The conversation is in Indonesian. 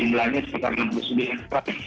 mulanya sekitar enam puluh sembilan orang